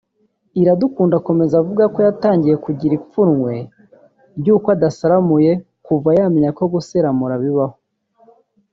Iradukunda akomeza avuga ko yatangiye kugira ipfunwe ry’uko adasiramuye kuva yamenya ko gusiramura bibaho